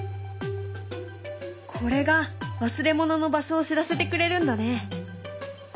これが忘れ物の場所を知らせてくれるんだね。